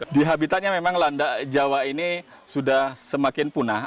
di habitatnya memang landak jawa ini sudah semakin punah